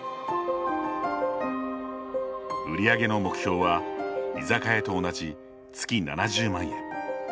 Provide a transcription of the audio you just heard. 売り上げの目標は居酒屋と同じ月７０万円。